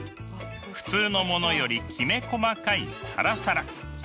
普通のものよりきめ細かいサラサラパウダー状です。